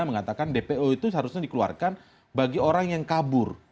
mengatakan dpo itu seharusnya dikeluarkan bagi orang yang kabur